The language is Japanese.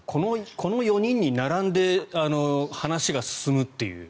この４人に並んで話が進むという。